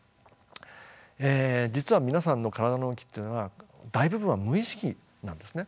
実は皆さんの体の動きっていうのは大部分は無意識なんですね。